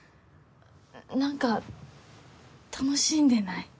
何か楽しんでない？